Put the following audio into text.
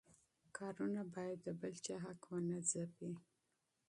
کارونه باید د بل چا حق ونه ځپي.